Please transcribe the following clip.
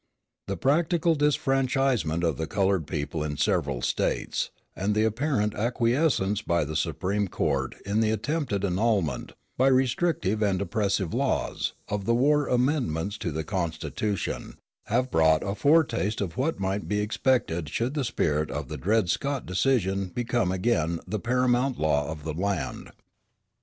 The practical disfranchisement of the colored people in several States, and the apparent acquiescence by the Supreme Court in the attempted annulment, by restrictive and oppressive laws, of the war amendments to the Constitution, have brought a foretaste of what might be expected should the spirit of the Dred Scott decision become again the paramount law of the land.